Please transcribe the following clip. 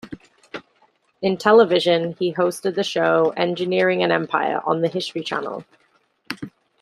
In television, he hosted the show "Engineering an Empire" on the History Channel.